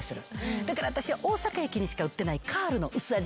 だから私は大阪駅にしか売ってないカールのうすあじ。